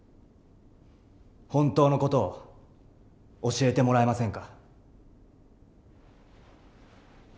本当の事を教えてもらえませんか？